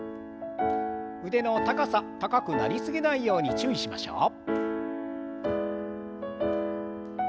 腕の高さ高くなりすぎないように注意しましょう。